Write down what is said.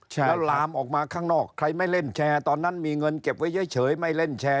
แล้วลามออกมาข้างนอกใครไม่เล่นแชร์ตอนนั้นมีเงินเก็บไว้เฉยไม่เล่นแชร์